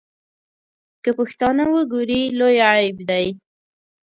که پښتانه وګوري لوی عیب دی.